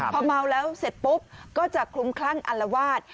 พอเมาแล้วเสร็จปุ๊บก็จะคลุมคลั่งอัลวาส